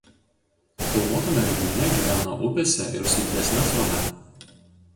Kalvotame regione gyvena upėse ir su didesne srove.